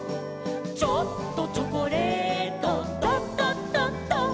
「ちょっとチョコレート」「ドドドド」